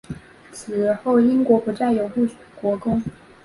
此后英国不再有护国公。